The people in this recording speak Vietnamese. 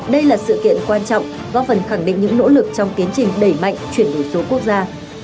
đây là sự kiện quan trọng góp phần khẳng định những nỗ lực trong tiến trình đẩy mạnh chuyển đổi số quốc gia